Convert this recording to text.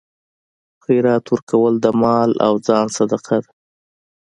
خیرات ورکول د مال او ځان صدقه ده.